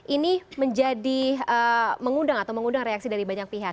ini menjadi mengundang atau mengundang reaksi dari banyak pihak